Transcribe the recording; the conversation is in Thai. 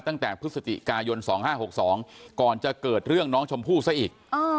ตั้งแต่พฤศจิกายน๒๕๖๒ก่อนจะเกิดเรื่องน้องชมพู่ซะอีก